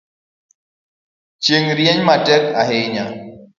Chieng’ rieny matek ahinya